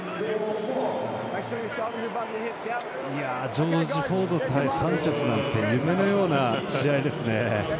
ジョージ・フォード対サンチェスなんて夢のような試合ですね。